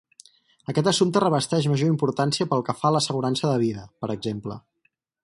Aquest assumpte revesteix major importància pel que fa a l'assegurança de vida, per exemple.